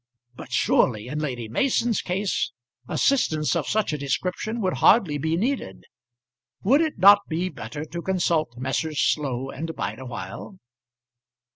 But surely, in Lady Mason's case, assistance of such a description would hardly be needed. Would it not be better to consult Messrs. Slow and Bideawhile?